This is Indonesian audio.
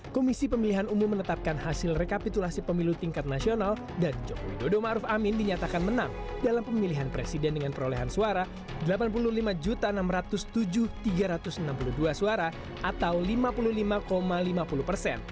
komisi pemilihan umum menetapkan hasil rekapitulasi pemilu tingkat nasional dan jokowi dodo ⁇ maruf ⁇ amin dinyatakan menang dalam pemilihan presiden dengan perolehan suara delapan puluh lima enam ratus tujuh tiga ratus enam puluh dua suara atau lima puluh lima lima puluh persen